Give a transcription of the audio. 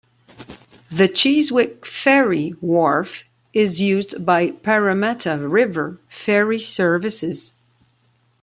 The Chiswick ferry wharf is used by Parramatta River ferry services.